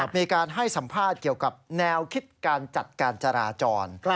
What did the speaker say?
มีการให้สัมภาษณ์เกี่ยวกับแนวคิดการจัดการจราจร